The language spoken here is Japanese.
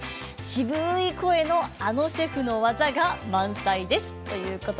渋い声の、あのシェフの技が満載です。